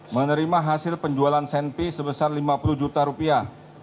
menerima hasil penjualan senpi sebesar rp lima puluh juta